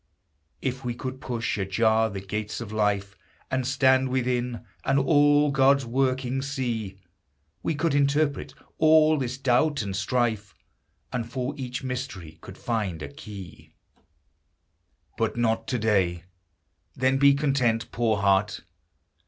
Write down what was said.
If we could push ajar the gates of life, And stand within, and all God's workings see, We could interpret all this doubt and strife, And for each mystery could find a key. 346 THE HIGHER LIFE. But not today. Then be content, poor heart